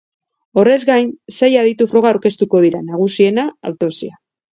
Horrez gain sei aditu-froga aurkeztuko dira, nagusiena, autopsia.